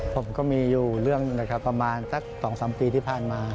ผมก็มีอยู่เรื่องประมาณสัก๒๓ปีที่ผ่านมา